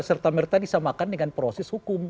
serta merta disamakan dengan proses hukum